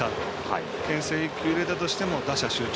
けん制１球入れたとしても打者集中。